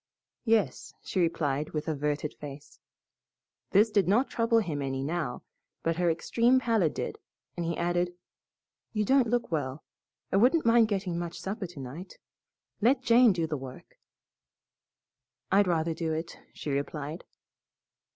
"Yes," she replied with averted face. This did not trouble him any now, but her extreme pallor did and he added, "You don't look well. I wouldn't mind getting much supper tonight. Let Jane do the work." "I'd rather do it," she replied.